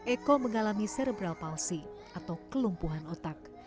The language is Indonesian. eko mengalami cerebral palsi atau kelumpuhan otak